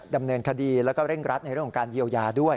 ดำเนินคดีแล้วก็เร่งรัดในเรื่องของการเยียวยาด้วย